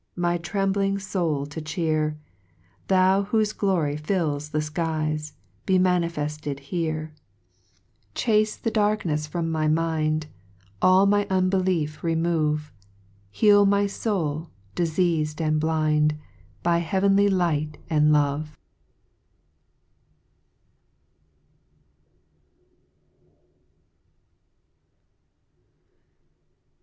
My trembling foul to cheer; Thou whofe glory fills the fkic£, Be manifeftcd here : Chafe ( 9 ) Chafe (he darknefs from my mind, All my unbelief remove, Heal my foul, difeas'd and blind, By heavenly light and love.